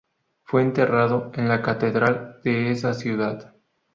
Fue enterrado en la catedral de esa ciudad.